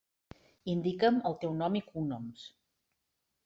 Indica'm el teu nom i cognoms.